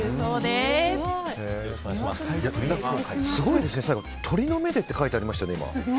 すごいですね、最後鶏の目でって書いてありました。